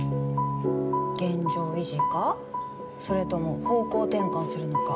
現状維持かそれとも方向転換するのか。